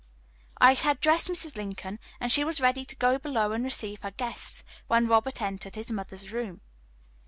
I had dressed Mrs. Lincoln, and she was ready to go below and receive her guests, when Robert entered his mother's room.